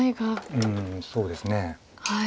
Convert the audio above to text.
うんそうですね。